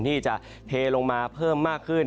ที่จะเทลงมาเพิ่มมากขึ้น